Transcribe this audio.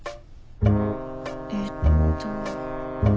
えっと。